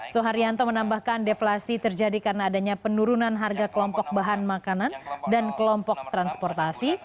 suharyanto menambahkan deflasi terjadi karena adanya penurunan harga kelompok bahan makanan dan kelompok transportasi